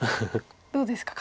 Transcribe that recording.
どうですか